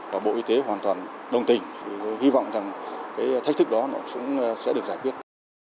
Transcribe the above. và bộ y tế hoàn toàn đồng tình hy vọng rằng cái thách thức đó nó cũng sẽ được giải quyết